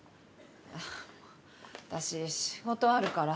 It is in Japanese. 私仕事あるから。